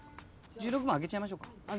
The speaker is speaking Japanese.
１６番開けちゃいましょうか？